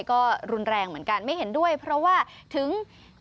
ก็รุนแรงเหมือนกันไม่เห็นด้วยเพราะว่าถึง